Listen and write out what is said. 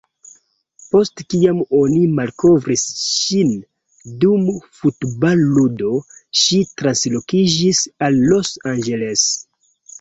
Post kiam oni malkovris ŝin dum futbal-ludo, ŝi translokiĝis al Los Angeles.